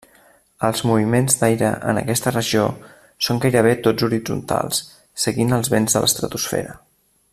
Els moviments d'aire en aquesta regió són gairebé tots horitzontals, seguint els vents de l'estratosfera.